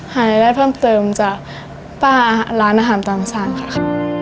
รายได้เพิ่มเติมจากป้าร้านอาหารตามสั่งค่ะ